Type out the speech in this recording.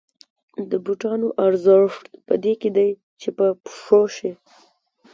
د بوټانو ارزښت په دې کې دی چې په پښو شي